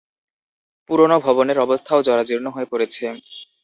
পুরোনো ভবনের অবস্থাও জরাজীর্ণ হয়ে পড়েছে।